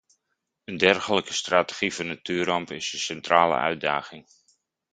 Een dergelijke strategie voor natuurrampen is een centrale uitdaging.